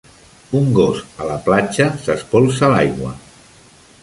Un gos a la platja s'espolsa l'aigua